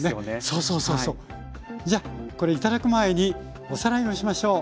じゃあこれ頂く前におさらいをしましょう。